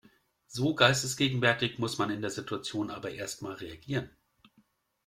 So geistesgegenwärtig muss man in der Situation aber erst mal reagieren.